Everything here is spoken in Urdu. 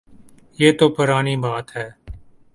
یہ تو پرانی بات ہے۔